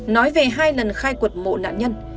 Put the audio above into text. nói về hai lần khai quật mộ nạn nhân